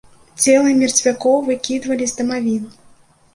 Целы мерцвякоў выкідвалі з дамавін.